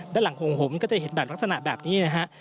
ด้านหลังของผมก็จะเห็นแบบลักษณะแบบนี้นะฮะ